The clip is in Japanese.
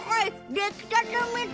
できたてみたい！